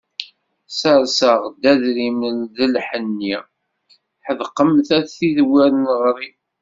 Serseɣ-d adrim d lḥenni, ḥedqemt a tid wer neɣri.